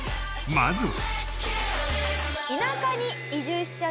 まずは。